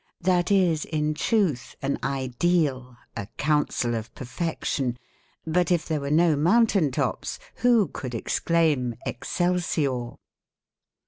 That is in truth an '"ideal'', a '"'counsel of perfection'"—but if there were no mountain tops who could exclaim Excelsior